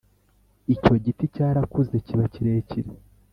Icyo giti cyarakuze kiba kirekire